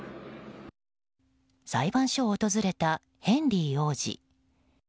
裁判所を訪れたヘンリー王子。